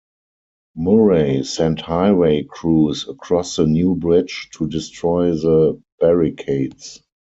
Murray sent highway crews across the new bridge to destroy the barricades.